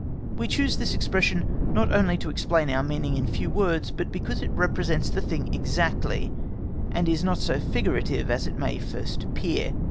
We choose this expression not only to explain our meaning in few words, but because it represents the thing exactly, and is not so figurative as may at first appear.